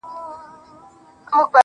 خو خپه كېږې به نه.